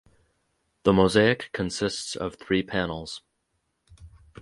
The mosaic consists of three panels.